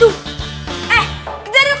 ini kita lihat